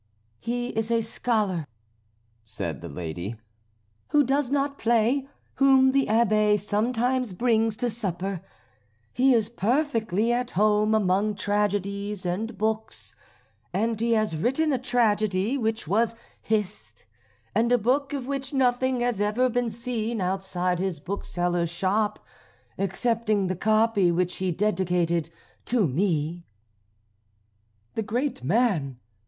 "He is a scholar," said the lady, "who does not play, whom the Abbé sometimes brings to supper; he is perfectly at home among tragedies and books, and he has written a tragedy which was hissed, and a book of which nothing has ever been seen outside his bookseller's shop excepting the copy which he dedicated to me." "The great man!"